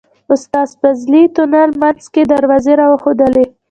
استاد فضلي تونل منځ کې دروازې راوښودلې.